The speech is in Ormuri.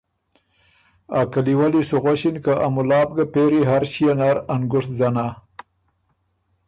ا کِلي ولّی سُو غؤݭِن که ا مُلا بُو ګۀ پېری هر ݭيې نر ا ںګُشت ځنا